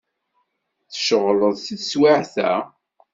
Tceɣleḍ deg teswiεt-a?